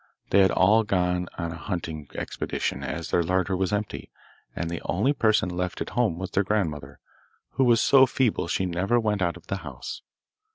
They had all gone on a hunting expedition, as their larder was empty, and the only person left at home was their grandmother, who was so feeble she never went out of the house.